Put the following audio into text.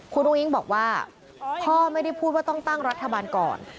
คุณอุ้งบอกว่าพ่อไม่ได้พูดว่าต้องตั้งรัฐบาลก่อน